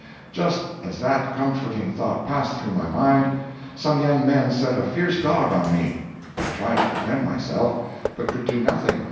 Just as that comforting thought passed through my mind, some young men set a fierce dog on me. I tried to defend myself, but could do nothing.